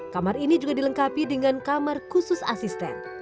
kamar ini juga dilengkapi dengan kamar khusus asisten